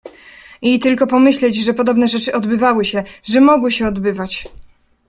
"I tylko pomyśleć, że podobne rzeczy odbywały się, że mogły się odbywać."